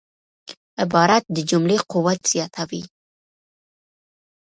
عبارت د جملې قوت زیاتوي.